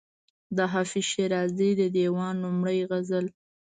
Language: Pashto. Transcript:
د حافظ شیرازي د دېوان لومړی غزل.